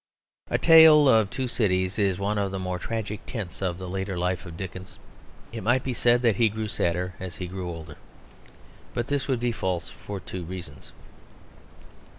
A Tale of Two Cities is one of the more tragic tints of the later life of Dickens. It might be said that he grew sadder as he grew older; but this would be false, for two reasons.